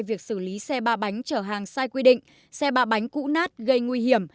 việc xử lý xe ba bánh chở hàng sai quy định xe ba bánh cũ nát gây nguy hiểm